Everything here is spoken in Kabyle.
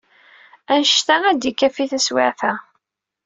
Anect-a ad d-ikafi taswiɛt-a.